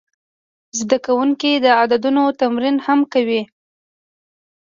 زده کوونکي د عددونو تمرین هم کاوه.